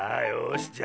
よし。